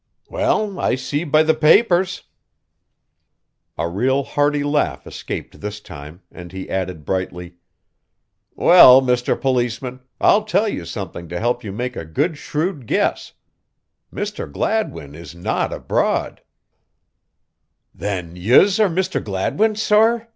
"Well, I see be the papers." A real hearty laugh escaped this time, and he added brightly: "Well, Mr. Policeman, I'll tell you something to help you make a good shrewd guess Mr. Gladwin is not abroad!" "Then yez are Mr. Gladwin, sorr!"